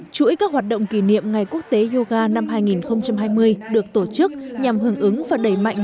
chuỗi các hoạt động kỷ niệm ngày quốc tế yoga năm hai nghìn hai mươi được tổ chức nhằm hưởng ứng và đẩy mạnh